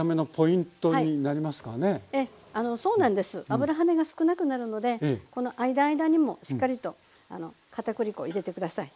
油跳ねが少なくなるのでこの間間にもしっかりと片栗粉入れて下さい。